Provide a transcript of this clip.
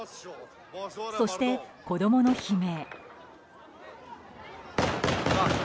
そして、子供の悲鳴。